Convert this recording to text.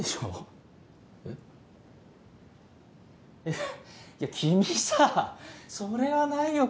えっいや君さそれはないよ。